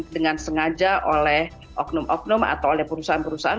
dengan sengaja oleh oknum oknum atau oleh perusahaan perusahaan